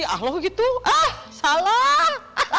ya allah gitu eh salah